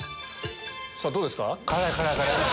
さぁどうですか？